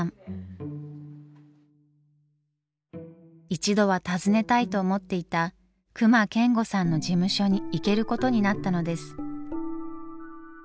一度は訪ねたいと思っていた隈研吾さんの事務所に行けることになったのです。